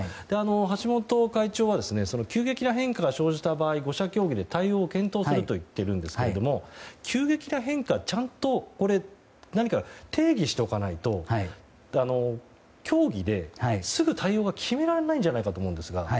橋本会長は急激な変化が生じた場合５者協議で対応を検討すると言っているんですが急激な変化をちゃんと定義しておかないと協議ですぐ対応が決められないんじゃないかと思うんですが。